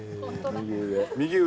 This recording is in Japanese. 右上。